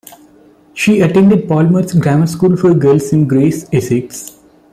She attended Palmer's Grammar School for Girls in Grays, Essex.